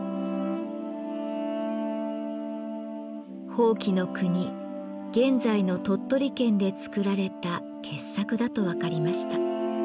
伯耆国現在の鳥取県で作られた傑作だと分かりました。